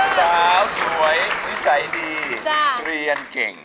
สาวสวยนิสัยดีเรียนเก่ง